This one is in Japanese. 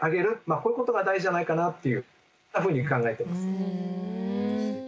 こういうことが大事じゃないかなっていうそんなふうに考えてます。